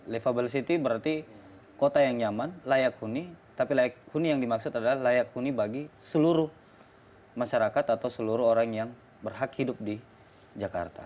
livable city berarti kota yang nyaman layak huni tapi layak huni yang dimaksud adalah layak huni bagi seluruh masyarakat atau seluruh orang yang berhak hidup di jakarta